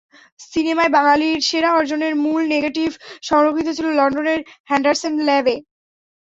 সিনেমায় বাঙালির সেরা অর্জনের মূল নেগেটিভ সংরক্ষিত ছিল লন্ডনের হেন্ডারসন ল্যাবে।